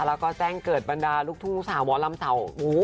แล้วก็แจ้งเกิดบรรดาลูกทุ่งสาวหมอลำเสา